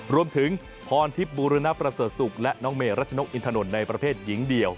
รวมถึงพรทิพย์บูรณประเสริฐศุกร์และน้องเมรัชนกอินทนนท์ในประเภทหญิงเดี่ยว